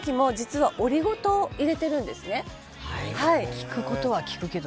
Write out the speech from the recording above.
聞く事は聞くけど」